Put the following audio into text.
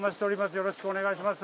よろしくお願いします。